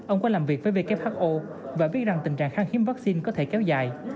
ông có làm việc với who và biết rằng tình trạng kháng hiếm vaccine có thể kéo dài